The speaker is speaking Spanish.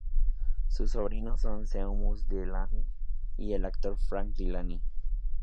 Sus sobrinos son Seamus Dillane y el actor Frank Dillane.